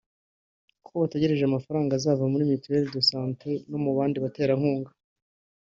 kuko bategereje amafaranga azava muri mutuel de santé no mu bandi baterankunga